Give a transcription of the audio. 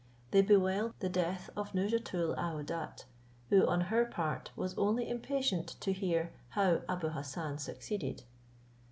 They bewailed the death of Nouzhatoul aouadat, who, on her part, was only impatient to hear how Abou Hassan succeeded.